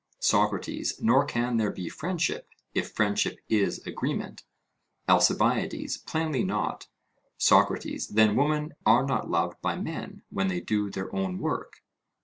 SOCRATES: Nor can there be friendship, if friendship is agreement? ALCIBIADES: Plainly not. SOCRATES: Then women are not loved by men when they do their own work?